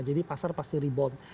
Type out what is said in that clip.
jadi pasar pasti rebound